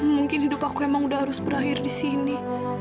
mungkin hidup aku emang udah harus berakhir di sini